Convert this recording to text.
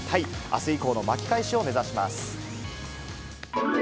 あす以降の巻き返しを目指します。